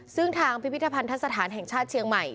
ซึ่งทางพิพิธภัณฑสถานแห่งชาติเชียงใหม่